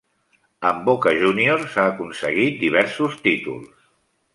Amb Boca Juniors ha aconseguit diversos títols.